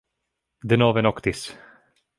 Denove noktis.